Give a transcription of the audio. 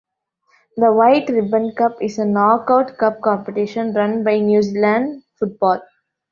The White Ribbon Cup, is a knockout cup competition run by New Zealand Football.